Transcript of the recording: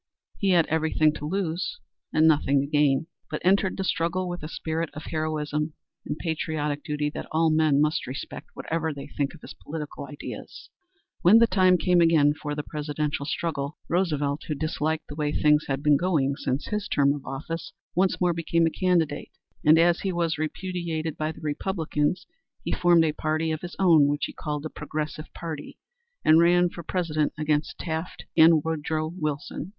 He had everything to lose and nothing to gain, but entered the struggle with a spirit of heroism and patriotic duty that all men must respect, whatever they think of his political ideas. When the time came again for the Presidential struggle, Roosevelt, who disliked the way things had been going since his term of office, once more became a candidate, and as he was repudiated by the Republicans he formed a party of his own which he called the Progressive Party and ran for President against Taft and Woodrow Wilson.